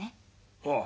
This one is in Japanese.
ああ。